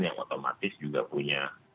yang otomatis juga punya